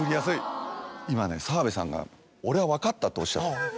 今ね澤部さんが「俺は分かった」とおっしゃった。